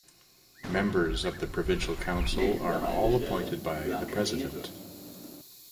The members of the Provincial Council are all appointed by the president.